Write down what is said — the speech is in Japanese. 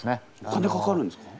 お金かかるんですか？